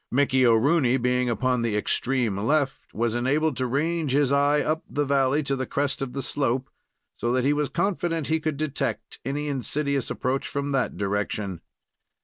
Mickey O'Rooney, being upon the extreme left, was enabled to range his eye up the valley to the crest of the slope, so that he was confident he could detect any insidious approach from that direction.